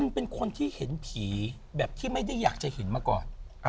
เป็นคนที่เห็นผีแบบที่ไม่ได้อยากจะเห็นมาก่อน